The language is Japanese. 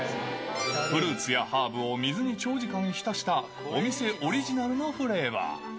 フルーツやハーブを水に長時間浸したお店オリジナルのフレーバー。